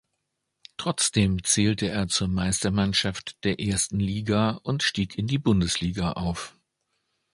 Trotzdem zählte er zur Meistermannschaft der Ersten Liga und stieg in die Bundesliga auf.